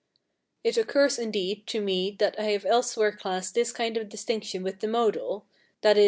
] It occurs, indeed, to me that I have elsewhere classed this kind of distinction with the modal (viz.